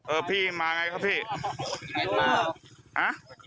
เออพี่มาไงครับพี่หา